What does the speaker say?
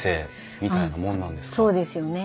そうですよね。